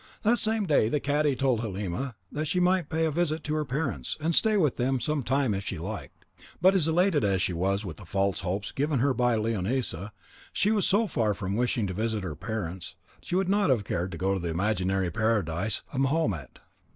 That same day the cadi told Halima that she might pay a visit to her parents, and stay with them some time if she liked; but elated as she was with the false hopes given her by Leonisa, she was so far from wishing to visit her parents, that she would not have cared to go to the imaginary paradise of Mahomet.